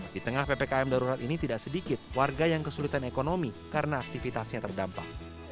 di tengah ppkm darurat ini tidak sedikit warga yang kesulitan ekonomi karena aktivitasnya terdampak